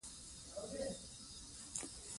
افغانۍ زموږ ملي کرنسي ده.